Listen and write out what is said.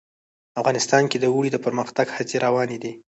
افغانستان کې د اوړي د پرمختګ هڅې روانې دي.